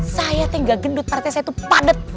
saya teh gak gendut pak rtt saya tuh padet